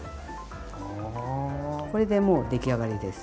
これでもうできあがりです。